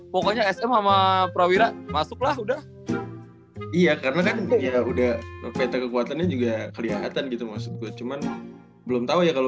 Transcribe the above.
pokoknya pihak q huatannya juga kelihatan gitu maksud gue cuman belum tahu ya kalau